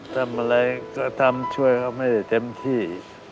ทำอะไรก็ทำช่วยเขาไม่ได้เต็มที่